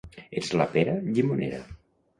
Ets la pera, llimonera.